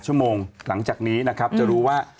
๘ชั่วโมงหลังจากนี้จะรู้ว่า